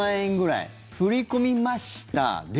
振り込みました、で？